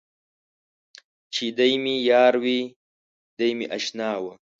چې دی مې یار و دی مې اشنا و.